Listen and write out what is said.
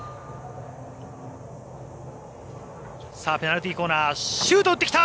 ペナルティーコーナーシュートを打ってきた！